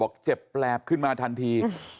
บอกเจ็บแรบขึ้นมาทันที